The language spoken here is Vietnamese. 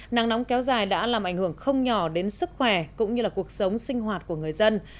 nắng nóng kéo dài đã làm ảnh hưởng không nhỏ đến sức khỏe cũng như là cuộc sống sinh hoạt của người dân